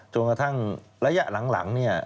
จนกระทั่งระยะหลังเนี่ย